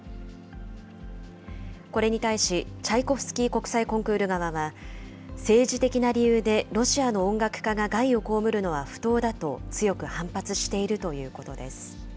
これに対し、チャイコフスキー国際コンクール側は、政治的な理由でロシアの音楽家が害を被るのは不当だと強く反発しているということです。